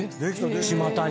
ちまたに。